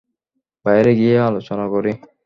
বাইরে গিয়ে আলোচনা করি?